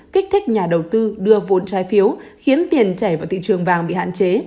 kích thích nhà đầu tư đưa vốn trái phiếu khiến tiền chảy vào thị trường vàng bị hạn chế